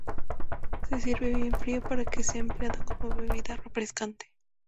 Se sirve bien fría para que sea empleada como bebida refrescante.